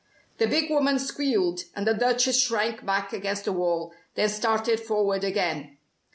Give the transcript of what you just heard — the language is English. The big woman squealed, and the Duchess shrank back against the wall, then started forward again.